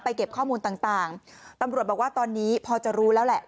เก็บข้อมูลต่างต่างตำรวจบอกว่าตอนนี้พอจะรู้แล้วแหละ